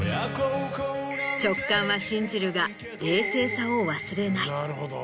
直感は信じるが冷静さを忘れない。